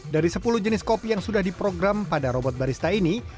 dari sepuluh jenis kopi yang sudah diprogram pada robot barista ini